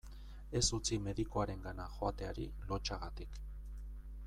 Ez utzi medikuarengana joateari lotsagatik.